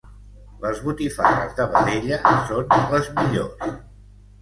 Les botifarres de vedella són les millors.